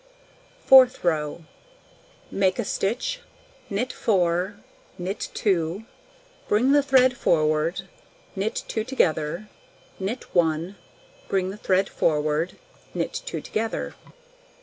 Fourth row: Make a stitch, knit 4, knit 2, bring the thread forward, knit 2 together, knit 1, bring the thread forward, knit 2 together.